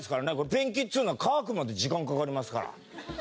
「ペンキっつうのは乾くまで時間かかりますから」。